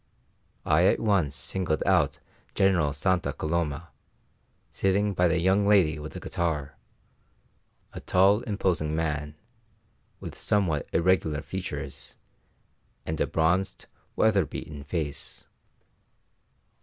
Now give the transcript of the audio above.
I at once singled out General Santa Coloma, sitting by the young lady with the guitar a tall, imposing man, with somewhat irregular features, and a bronzed, weather beaten face.